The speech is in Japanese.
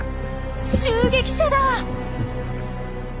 襲撃者だ！